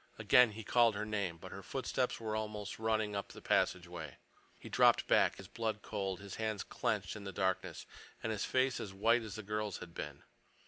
Again he called her name, but her footsteps were almost running up the passageway. He dropped back, his blood cold, his hands clenched in the darkness, and his face as white as the girl's had been.